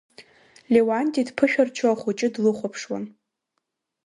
Леуанти дԥышәырччо ахәыҷы длыхәаԥшуан.